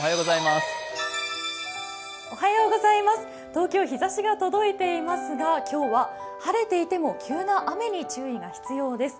東京、日ざしが届いていますが今日は晴れていても急な雨に注意が必要です。